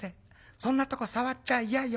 そんなとこ触っちゃ嫌よ」。